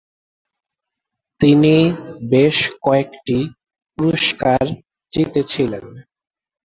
তিনি বেশ কয়েকটি পুরস্কার জিতেছিলেন।